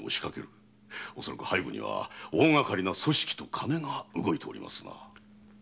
恐らく背後には大がかりな組織と金が動いておりますな。